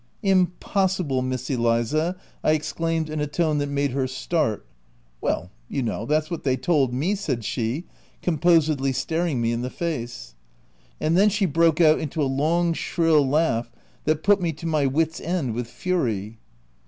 "Impossible, Miss Eliza! \" I exclaimed in a tone that made her start. "Well, you know, that's what they told me/' said she, composedly staring me in the face. And then she broke out into a long shrill laugh that put me to my wits' end with fury.